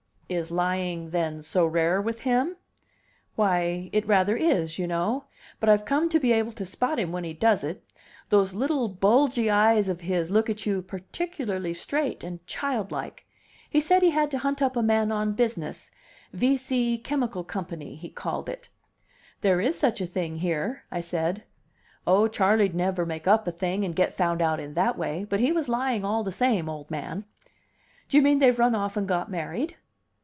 "Is lying, then, so rare with him?" "Why, it rather is, you know. But I've come to be able to spot him when he does it. Those little bulgy eyes of his look at you particularly straight and childlike. He said he had to hunt up a man on business V C Chemical Company, he called it " "There is such a thing here," I said. "Oh, Charley'd never make up a thing, and get found out in that way! But he was lying all the same, old man." "Do you mean they've run off and got married?"